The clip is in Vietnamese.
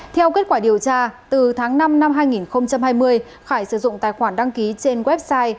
theo kết quả điều tra từ tháng năm năm hai nghìn hai mươi khải sử dụng tài khoản đăng ký trên website